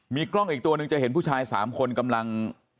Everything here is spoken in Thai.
มีกล้องอีกตัวหนึ่งจะเห็นผู้ชาย๓คนกำลัง